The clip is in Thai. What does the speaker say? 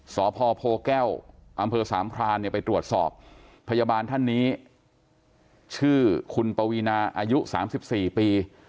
สพโพแก้วอำเภอสามพรานเนี่ยไปตรวจสอบพยาบาลท่านนี้ชื่อคุณปวีนาอายุ๓๔ปี